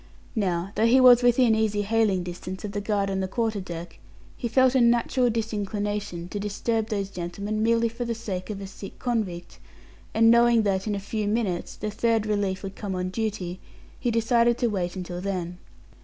Now, though he was within easy hailing distance of the guard on the quarter deck, he felt a natural disinclination to disturb those gentlemen merely for the sake of a sick convict, and knowing that, in a few minutes, the third relief would come on duty, he decided to wait until then.